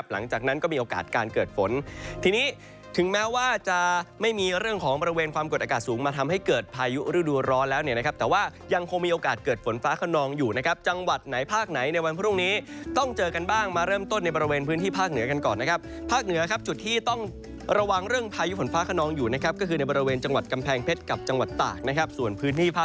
แล้วนะครับแต่ว่ายังคงมีโอกาสเกิดฝนฟ้าขนองอยู่นะครับจังหวัดไหนภาคไหนในวันพรุ่งนี้ต้องเจอกันบ้างมาเริ่มต้นในบริเวณพื้นที่ภาคเหนือกันก่อนนะครับภาคเหนือครับจุดที่ต้องระวังเรื่องพายุฝนฟ้าขนองอยู่นะครับก็คือในบริเวณจังหวัดกำแพงเพชรกับจังหวัดตากนะครับส่วนพื้นที่ภา